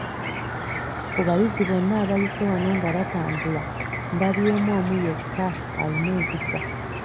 Ku bayizi bonna abayise wano nga batambula ndabyemu omu yekka ayina empisa.